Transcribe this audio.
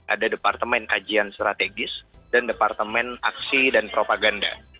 ada departemen kajian strategis dan departemen aksi dan propaganda